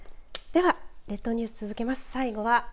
では列島ニュース続けます。